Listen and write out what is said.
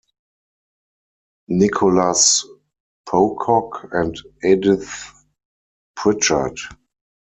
Nicholas Pocock and Edith Prichard.